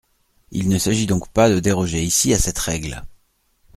Il ne s’agit donc pas de déroger ici à cette règle.